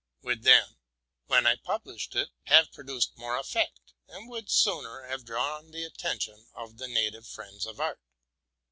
would then, when I published it, have produced more effect, and would sooner have drawn the at tention of the native friends of art.